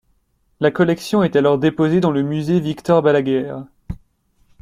La collection est alors déposée dans le Musée Víctor Balaguer.